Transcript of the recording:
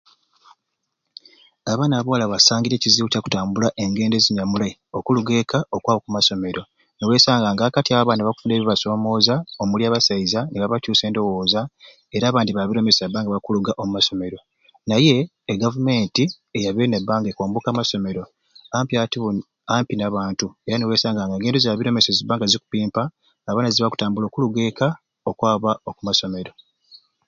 Abaana ba bwala basangire ekizibu kya kutambula engendo ezinyamulai okuluga eka okwaba oku masomero ni weesanga ng'akati awo abaana bafunire ebikubasoomooza omuli abasaiza ni babacuusa endowooza era abandi baabire omu maiso nibabba nga bakuluga omu masomero naye egavumenti eyabire n'ebba ng'ekwomboka amasomero ampi ati buni ampi n'abantu era ni weesanga ng'engendo zaabire omu maiso ni zibba nga zikupimpa abaana zebakutambula okuluga eka okwaba oku masomero.